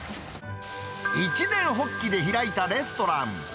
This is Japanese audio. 一念発起で開いたレストラン。